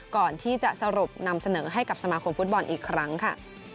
ก่อนที่จะสรุปนำเสนอให้กับสมาคมฟุตบอลอีกครั้งค่ะ